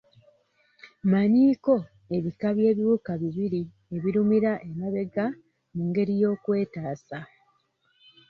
Mmanyiiko ebika by'ebiwuka bibiri ebirumira emabega mu ngeri y'okwetaasa.